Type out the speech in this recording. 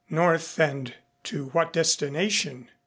North and to what destination?